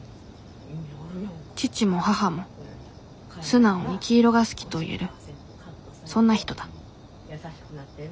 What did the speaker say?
父も母も素直に黄色が好きと言えるそんな人だ。